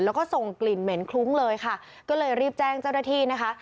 แล้วก็ส่งกลิ่นเหม็นคลุ้งเลยค่ะก็เลยรีบแจ้งเจ้าหน้าที่นะคะ